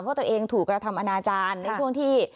ว่าตัวเองถูกกระทำอนาจารย์ในช่วงที่